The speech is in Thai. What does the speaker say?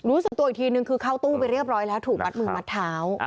รู้สึกตัวอีกทีนึงคือเข้าตู้ไปเรียบร้อยแล้วถูกมัดมือมัดเท้า